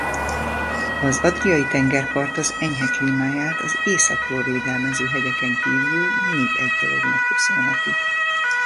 Az Adriai-tengerpart az enyhe klímáját az északról védelmező hegyeken kívül még egy dolognak köszönheti.